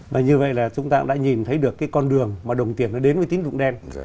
và như vậy là chúng ta cũng đã nhìn thấy được cái con đường mà đồng tiền nó đến với tín dụng đen